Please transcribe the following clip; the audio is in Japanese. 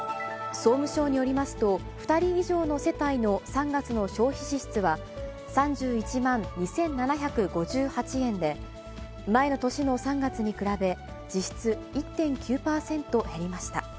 総務省によりますと、２人以上の世帯の３月の消費支出は３１万２７５８円で、前の年の３月に比べ、実質１．９％減りました。